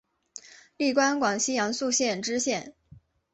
历官广西阳朔县知县。